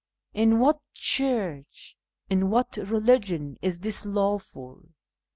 'In what church, in what religion, is this lawful.